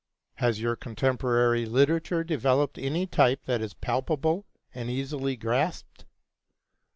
Has your contemporary literature developed any type that is palpable and easily grasped?